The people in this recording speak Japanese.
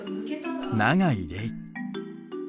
永井玲衣。